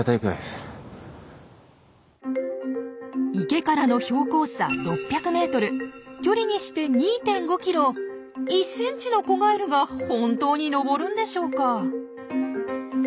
池からの標高差６００ｍ距離にして２．５ｋｍを１ｃｍの子ガエルが本当に登るんでしょうか。